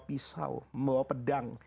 pisau membawa pedang